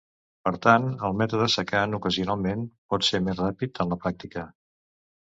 Per tant, el mètode secant ocasionalment pot ser més ràpid en la pràctica.